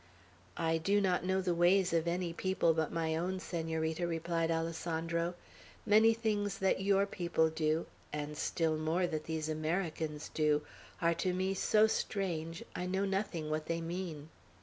"I do not know the ways of any people but my own, Senorita," replied Alessandro. "Many things that your people do, and still more that these Americans do, are to me so strange, I know nothing what they mean.